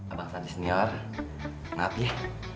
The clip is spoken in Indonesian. abang santi senior maaf ya